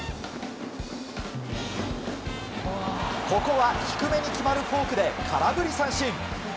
ここは低めに決まるフォークで空振り三振。